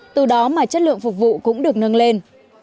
từ đó mà chất lượng phục vụ cũng được nâng lên